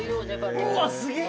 うわすげぇ！